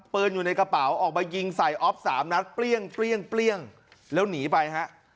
ปืนอยู่ในกระเป๋าออกมายิงใส่อ๊อฟสามนัดเปลี่ยงเปลี่ยงเปลี่ยงแล้วหนีไปฮะ